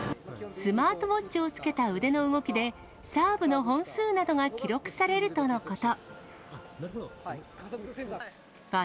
スマートウォッチをつけた腕の動きで、サーブの本数などが記録されるとのこと。